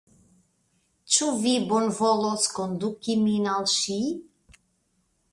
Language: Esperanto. Ĉu vi bonvolos konduki min al ŝi?